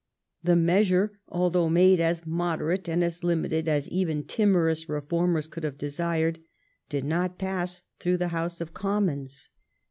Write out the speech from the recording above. The measure, although made as moderate and as limited as even timorous reformers could have desired, did not pass through the House of Commons.